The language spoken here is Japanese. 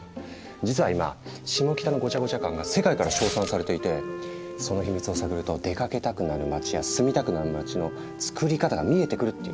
実は今シモキタのごちゃごちゃ感が世界から称賛されていてそのヒミツを探ると出かけたくなる街や住みたくなる街のつくり方が見えてくるっていう。